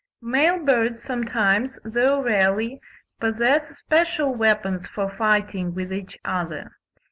Male birds sometimes, though rarely, possess special weapons for fighting with each other.